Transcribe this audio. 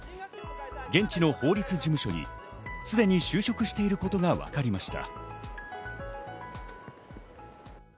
現地の法律事務所にすでに就職していることがわかりました。